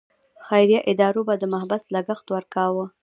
خیریه ادارو به د محبس لګښت ورکاوه.